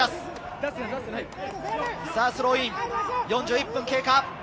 スローイン、４１分経過。